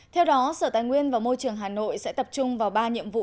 theo đó sở tài nguyên và môi trường hà nội sẽ tập trung vào ba nhiệm vụ